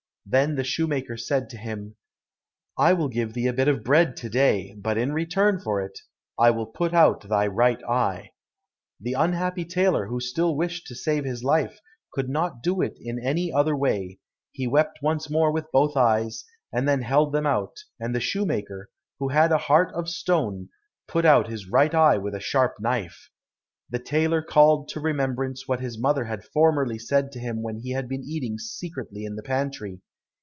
Then the shoemaker said to him, "I will give thee a bit of bread to day, but in return for it, I will put out thy right eye." The unhappy tailor who still wished to save his life, could not do it in any other way; he wept once more with both eyes, and then held them out, and the shoemaker, who had a heart of stone, put out his right eye with a sharp knife. The tailor called to remembrance what his mother had formerly said to him when he had been eating secretly in the pantry.